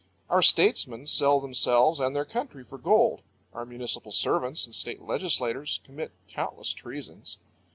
Our statesmen sell themselves and their country for gold. Our municipal servants and state legislators commit countless treasons.